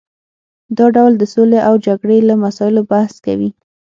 دا ډول د سولې او جګړې له مسایلو بحث کوي